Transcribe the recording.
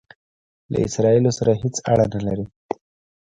له اسراییلو سره هیڅ اړه نه لري.